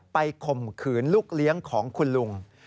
ข่มขืนลูกเลี้ยงของคุณลุง